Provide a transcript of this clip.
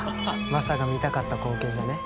マサが見たかった光景じゃねえ？